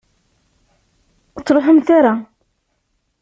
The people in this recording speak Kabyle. Ur ttṛuḥumt ara!